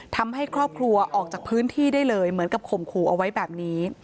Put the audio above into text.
ทำให้ครอบครัวออกจากพื้นที่ได้เลยเหมือนกับข่มขู่เอาไว้แบบนี้